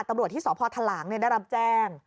ตำรวจที่สพทหลางได้รับแจ้ง